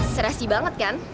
serasi banget kan